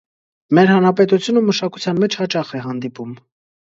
Մեր հանրապետությունում մշակության մեջ հաճախ է հանդիպում։